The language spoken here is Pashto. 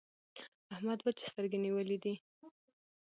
احمد وچې سترګې نيولې دي.